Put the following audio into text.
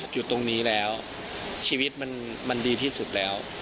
อยู่ตรงนี้แล้วชีวิตมันดีที่สุดแล้ว